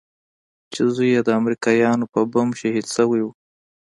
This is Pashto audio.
چې زوى يې د امريکايانو په بم شهيد سوى و.